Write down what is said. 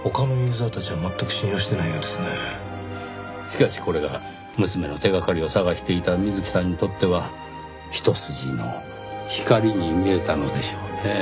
しかしこれが娘の手掛かりを探していた水木さんにとっては一筋の光に見えたのでしょうねぇ。